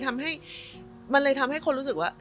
มันเลยทำให้คนรู้สึกว่า